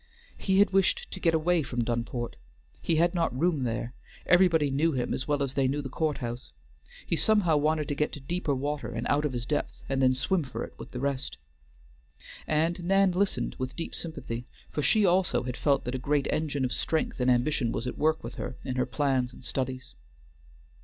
He had wished to get away from Dunport; he had not room there; everybody knew him as well as they knew the courthouse; he somehow wanted to get to deeper water, and out of his depth, and then swim for it with the rest. And Nan listened with deep sympathy, for she also had felt that a great engine of strength and ambition was at work with her in her plans and studies.